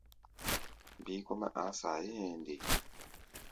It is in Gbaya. Bíí kɔ́-mɛ́ a̧a̧ saayé hɛ̧ɛ̧ nde?